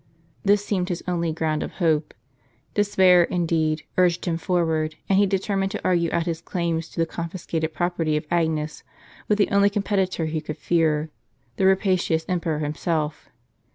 This seemed his only ground of hope. Despair, indeed, urged him forward ; and he determined to argue out his claims to the confiscated property of Agnes, with the only competitor he could fear, the rapacious emperor himself.